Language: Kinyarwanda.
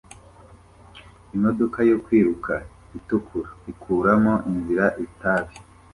Imodoka yo kwiruka itukura ikuramo inzira itabi